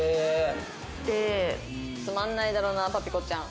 つまんないだろうなパピコちゃん。